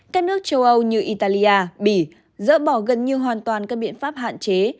các nước châu âu như italia bỉ dỡ bỏ gần như hoàn toàn các biện pháp hạn chế